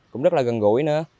cũng rất là gần gũi nữa